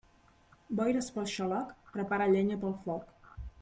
Boires pel xaloc, prepara llenya pel foc.